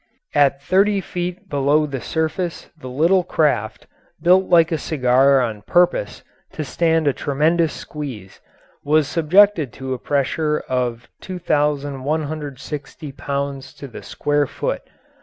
At thirty feet below the surface the little craft, built like a cigar on purpose to stand a tremendous squeeze, was subjected to a pressure of 2,160 pounds to the square foot.